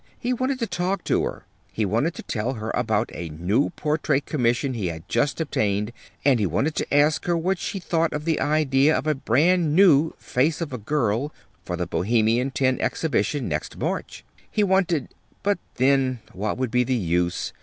He wanted to talk to her. He wanted to tell her about a new portrait commission he had just obtained; and he wanted to ask her what she thought of the idea of a brand new "Face of a Girl" for the Bohemian Ten Exhibition next March. He wanted but then, what would be the use?